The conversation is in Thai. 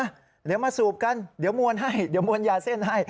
เดี๋ยวมาสูบกันเดี๋ยวมวลให้เดี๋ยวมวลยาเส้นให้